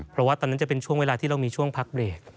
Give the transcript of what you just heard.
เพราะว่าตอนนั้นจะเป็นช่วงเวลาที่เรามีช่วงพักเบรก